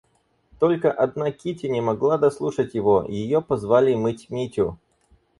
Только одна Кити не могла дослушать его, — ее позвали мыть Митю.